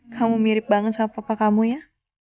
kamu mirip banget sama papa kamu ya